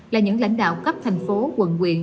là những lãnh đạo cấp thành phố quần quyền